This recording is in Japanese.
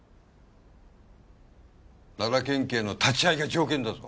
奈良県警の立ち会いが条件だぞ。